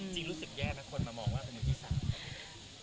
จริงรู้สึกแย่นะคนมามองว่าเป็นมือที่๓